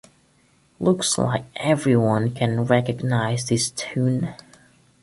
Looks like everyone can recognize this tune.